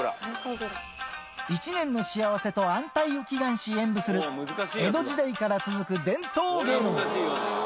１年の幸せと安泰を祈願し、演舞する江戸時代から続く伝統芸能。